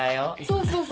そうそうそう。